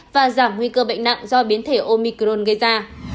và giảm nguy cơ bệnh nặng do biến thể omicron gây ra